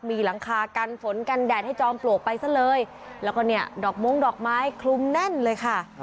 มีหลังคากันฝนกันแดดให้จอมปลวกไปซะเลยแล้วก็เนี่ยดอกม้งดอกไม้คลุมแน่นเลยค่ะ